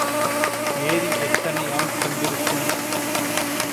ஏரி எத்தனை ஆள் கண்டிருக்கும்?